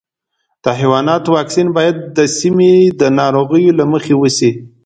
د حیواناتو واکسین باید د سیمې د ناروغیو له مخې وشي.